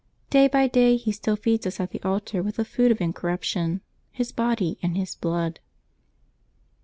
Day by day He still feeds us at the altar with the food of incormption — His body and His blood.